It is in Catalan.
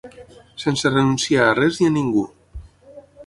Sense renunciar a res ni a ningú.